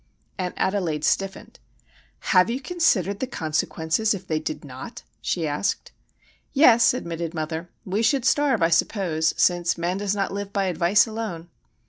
Aunt Adelaide stiffened. "Have you considered the consequences if they did not?" she asked. "Yes," admitted mother. "We should starve, I suppose,—since man does not live by advice alone."